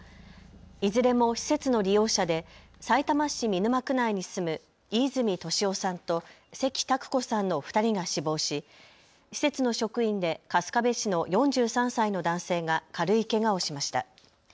いずれも施設の利用者でさいたま市見沼区内に住む飯泉利夫さんと関拓子さんの２人が死亡し施設の職員で春日部市の４３歳の男性が軽いけがをしました。